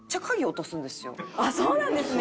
あっそうなんですね。